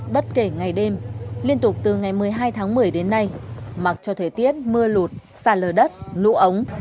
bất kể ngày đêm liên tục từ ngày một mươi hai tháng một mươi đến nay mặc cho thời tiết mưa lụt sạt lở đất lũ ống